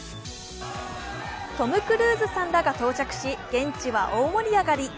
トム・クルーズさんらが到着し現地は大盛り上がり。